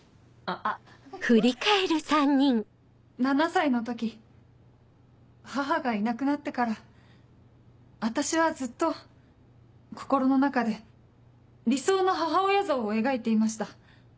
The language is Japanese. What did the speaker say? ７歳の時母がいなくなってから私はずっと心の中で理想の母親像を描いていました。